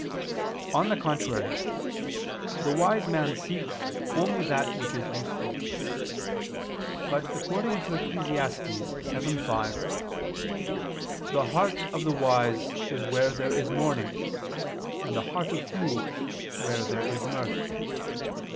On the contrary, The wise man seeks only that which is useful. But according to Eccles. 7:5, "the heart of the wise is where there is mourning, and the heart of fools where there is mirth."